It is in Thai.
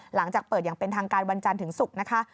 หลังจากเปิดอย่างเป็นทางการวันจันทร์ถึงศุกร์นะคะ